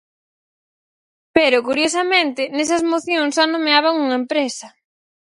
Pero, curiosamente, nesas mocións só nomeaban unha empresa.